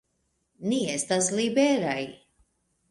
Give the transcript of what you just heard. Ni estas liberaj!